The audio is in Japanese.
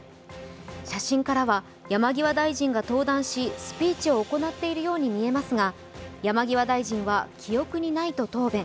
写真からは山際大臣が登壇し、スピーチを行っているように見えますが、山際大臣は記憶にないと答弁。